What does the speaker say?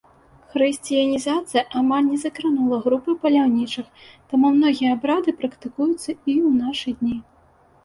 Хрысціянізацыя амаль не закранула групы паляўнічых, таму многія абрады практыкуюцца і ў нашы дні.